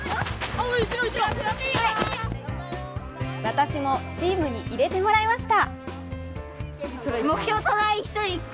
私もチームに入れてもらいました。